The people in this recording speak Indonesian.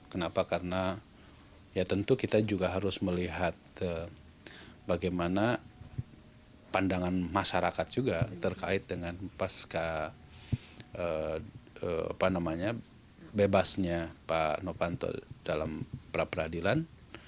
kenapa karena ya tentu kita juga harus melihat bagaimana pandangan masyarakat juga terkait dengan pasca bebasnya pak nopanto dalam pra peradilan